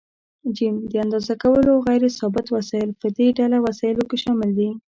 ج: د اندازه کولو غیر ثابت وسایل: په دې ډله وسایلو کې شامل دي.